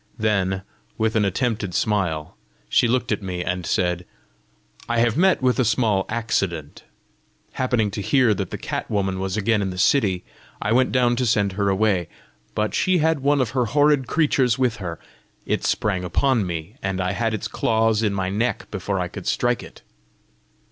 Then, with an attempted smile, she looked at me, and said, "I have met with a small accident! Happening to hear that the cat woman was again in the city, I went down to send her away. But she had one of her horrid creatures with her: it sprang upon me, and had its claws in my neck before I could strike it!"